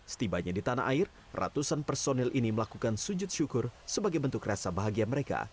setibanya di tanah air ratusan personil ini melakukan sujud syukur sebagai bentuk rasa bahagia mereka